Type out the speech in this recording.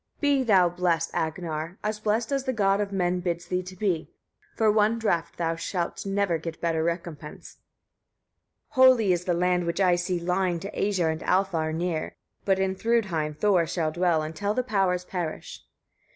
3. Be thou blessed, Agnar! as blessed as the god of men bids thee to be. For one draught thou never shalt get better recompense. 4. Holy is the land, which I see lying to Æsir and Alfar near; but in Thrûdheim Thor shall dwell until the powers perish.